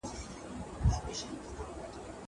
زه اجازه لرم چي ليکنې وکړم!